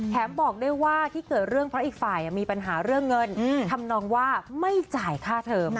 บอกได้ว่าที่เกิดเรื่องเพราะอีกฝ่ายมีปัญหาเรื่องเงินทำนองว่าไม่จ่ายค่าเทอม